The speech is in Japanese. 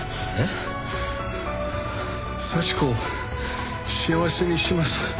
幸子を幸せにします。